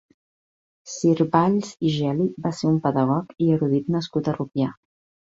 Cir Valls i Geli va ser un pedagog i erudit nascut a Rupià.